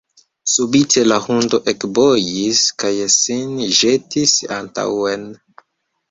Subite la hundo ekbojis kaj sin ĵetis antaŭen.